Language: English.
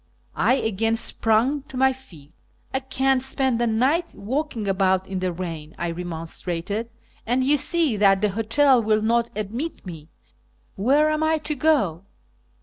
I again sprang to my feet. " I can't spend the night walking about in the rain," I remonstrated, " and you see that the hotel will not admit me. Where am I to go